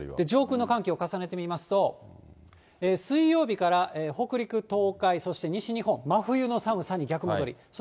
上空の寒気を重ねてみますと、水曜日から北陸、東海、そして西日本、真冬の寒さに逆戻り。